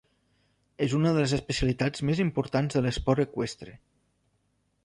És una de les especialitats més importants de l'esport eqüestre.